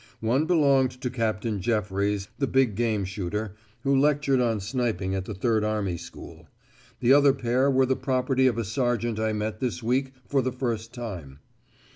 One belonged to Captain Jefferies, the big game shooter, who lectured on Sniping at the Third Army School. The other pair were the property of a sergeant I met this week for the first time.